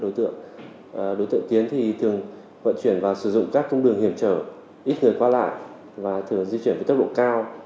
đối tượng tiến thì thường vận chuyển và sử dụng các công đường hiểm trở ít người qua lại và thường di chuyển với tốc độ cao